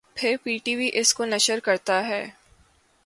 پھر P T V اس کو نشر کرتا ہے